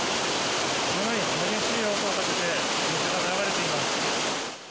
かなり激しい音を立てて、水が流れています。